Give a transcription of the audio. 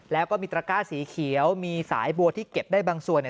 แล้วก็มีตระก้าสีเขียวมีสายบัวที่เก็บได้บางส่วนเนี่ย